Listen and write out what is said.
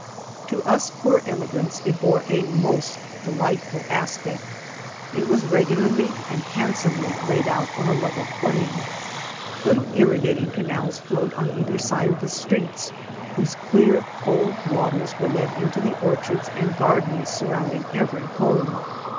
To us poor emigrants it bore a most delightful aspect. It was regularly and hand somely laid out on a level plain. Little irrigating canals flowed on either side of the streets, whose clear cold waters were led into the orchards and gardens surrounding every home.